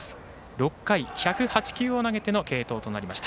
６回、１０８球を投げての継投になりました。